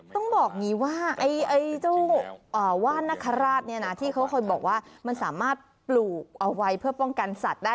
ต้องบอกงี้ว่าว่านักฮราชที่เขาเคยบอกว่ามันสามารถปลูกเอาไว้เพื่อป้องกันสัตว์ได้